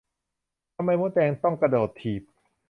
ทำไมมดแดงต้องกระโดดถีบ